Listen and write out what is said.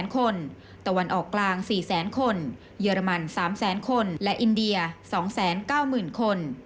๑๒๐๐คนตะวันออกกลาง๔๐๐คนเยอรมัน๓๐๐คนและอินเดีย๒๙๐คน